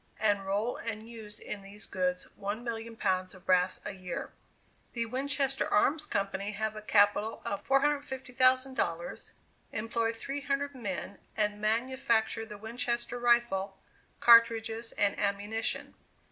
and roll and use in these goods 1,000,000 pounds of brass a year. The Winchester Arms Company have a capital of $450,000, employ three hundred men, and manufacture the Winchester rifle, cartridges and ammunition.